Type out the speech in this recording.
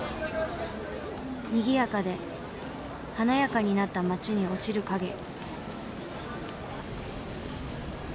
にぎやかで華やかになった街に落ちる影。